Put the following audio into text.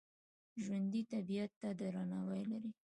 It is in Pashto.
ژوندي طبیعت ته درناوی لري